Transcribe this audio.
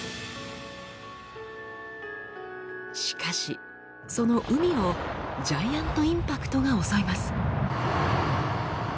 しかしその海をジャイアント・インパクトが襲います。